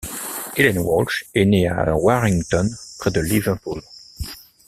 Helen Walsh est née à Warrington près de Liverpool.